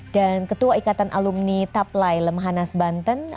dan ketua ikatan alumni taplai lemhanas banten